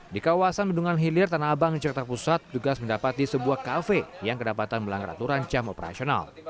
di kawasan bendungan hilir tanah abang jakarta pusat tugas mendapati sebuah kafe yang kedapatan melanggar aturan jam operasional